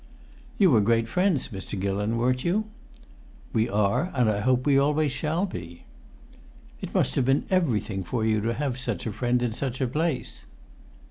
"You were great friends, Mr. Gillon, weren't you?" "We are, and I hope we always shall be." "It must have been everything for you to have such a friend in such a place!"